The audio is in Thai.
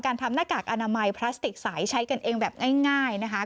ทำหน้ากากอนามัยพลาสติกใสใช้กันเองแบบง่ายนะคะ